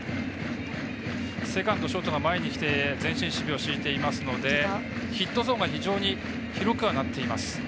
セカンドショートが前に来て前進守備を敷いていますのでヒットゾーンが非常に広くはなっています。